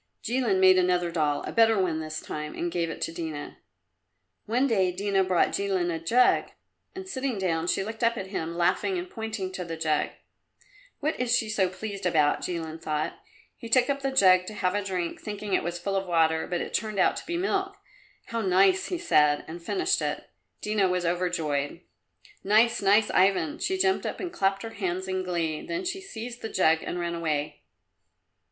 Jilin made another doll a better one this time and gave it to Dina. One day Dina brought Jilin a jug, and sitting down, she looked up at him, laughing and pointing to the jug. "What is she so pleased about?" Jilin thought. He took up the jug to have a drink, thinking it was full of water, but it turned out to be milk. "How nice!" he said, and finished it. Dina was overjoyed. "Nice, nice, Ivan!" She jumped up and clapped her hands in glee, then she seized the jug and ran away.